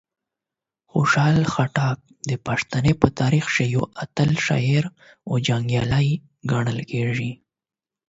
خوشحال خټک د پښتنو په تاریخ کې یو اتل شاعر او جنګیالی ګڼل کیږي.